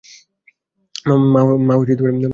মা, আরেকটা ইডলি।